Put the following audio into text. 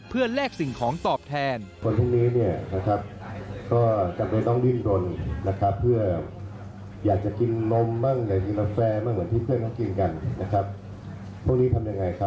เพื่อแลกสิ่งของตอบแทน